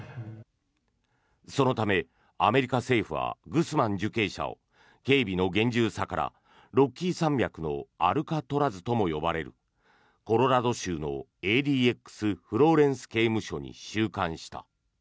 そのため、アメリカ政府はグスマン受刑者を警備の厳重さからロッキー山脈のアルカトラズとも呼ばれるコロラド州のＡＤＸフローレンス刑務所に収監した。